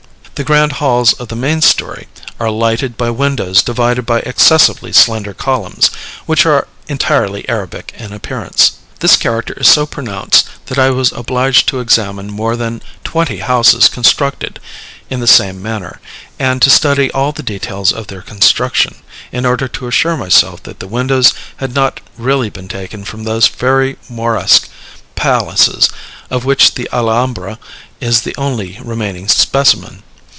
The grand halls of the main story are lighted by windows divided by excessively slender columns, which are entirely Arabic in appearance. This character is so pronounced, that I was obliged to examine more than twenty houses constructed in the same manner, and to study all the details of their construction, in order to assure myself that the windows had not really been taken from those fairy Moresque palaces, of which the Alhambra is the only remaining specimen.